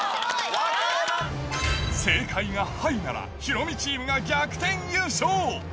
正解がハイならヒロミチームが逆転優勝。